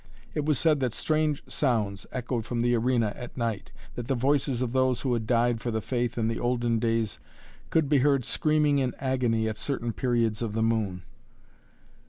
It was said that strange sounds echoed from the arena at night; that the voices of those who had died for the faith in the olden days could be heard screaming in agony at certain periods of the moon.